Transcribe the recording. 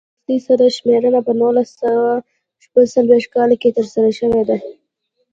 وروستۍ سر شمېرنه په نولس سوه شپږ څلوېښت کال کې ترسره شوې وه.